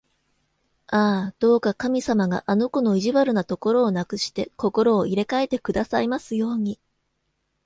ああ、どうか神様があの子の意地悪なところをなくして、心を入れかえてくださいますように！